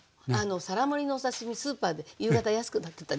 皿盛りのお刺身スーパーで夕方安くなってたりしますでしょ。